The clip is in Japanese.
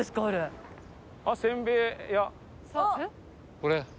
これ？